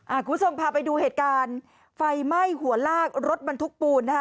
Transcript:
คุณผู้ชมพาไปดูเหตุการณ์ไฟไหม้หัวลากรถบรรทุกปูนนะคะ